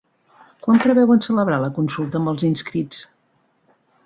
Quan preveuen celebrar la consulta amb els inscrits?